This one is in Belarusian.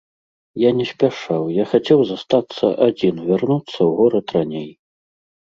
Я не спяшаў, я хацеў застацца адзін, вярнуцца ў горад раней.